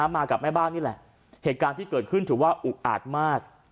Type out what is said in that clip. มากับแม่บ้านนี่แหละเหตุการณ์ที่เกิดขึ้นถือว่าอุกอาจมาก